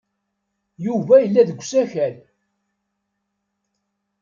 Yuba yella deg usakal.